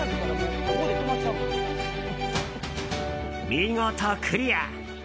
見事クリア！